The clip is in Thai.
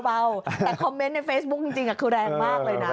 เบาแต่คอมเมนต์ในเฟซบุ๊คจริงคือแรงมากเลยนะ